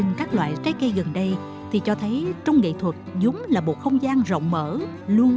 nhưng các loại trái cây gần đây thì cho thấy trong nghệ thuật giống là một không gian rộng mở luôn